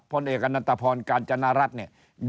พลเอกอันตภพรการจรรย์รัฐเนี่ย